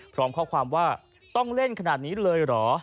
พร้อมข้อความว่าต้องเล่นขนาดนี้เลยเหรอ